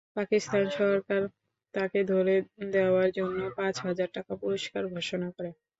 পাকিস্তান সরকার তাকে ধরে দেওয়ার জন্য পাঁচ হাজার টাকা পুরস্কার ঘোষণা করে।